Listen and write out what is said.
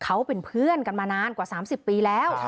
เขาเป็นเพื่อนกันมานานกว่า๓๐ปีแล้ว